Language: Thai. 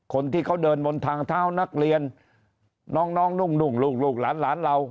คนที่เขาเดินบนทางเท้านักเรียนน้องนุ่งลูกหลานเรา